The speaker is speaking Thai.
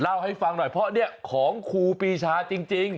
เล่าให้ฟังหน่อยเพราะเนี่ยของครูปีชาจริง